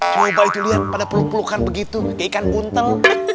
coba itu lihat pada peluk pelukan begitu ke ikan buntel